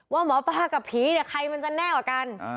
ว่าหมอป้ากับผีเนี่ยใครมันจะแน่กว่ากัน